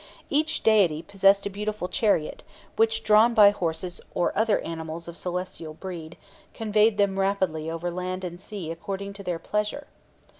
Each deity possessed a beautiful chariot, which, drawn by horses or other animals of celestial breed, conveyed them rapidly over land and sea according to their pleasure.